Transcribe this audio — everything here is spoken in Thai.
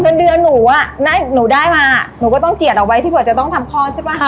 เงินเดือนหนูงี้หนูได้มาหนูก็ต้องเจียดออกไว้เฉพาะจะต้องทำคลอดใช่ป่ะ